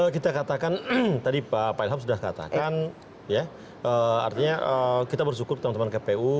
kita katakan tadi pak ilham sudah katakan ya artinya kita bersyukur teman teman kpu